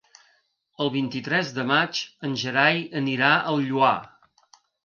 El vint-i-tres de maig en Gerai anirà al Lloar.